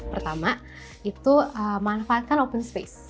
pertama itu manfaatkan open space